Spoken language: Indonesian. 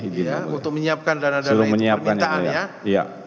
iya untuk menyiapkan dana dana permintaannya